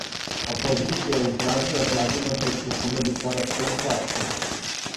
Опозиција је изразила забринутост у погледу пораста инфлације.